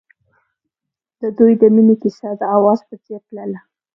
د دوی د مینې کیسه د اواز په څېر تلله.